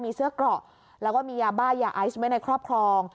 มีเสื้อเกราะแล้วก็มียาบ้ายาไอซ์ไว้ในครอบครอง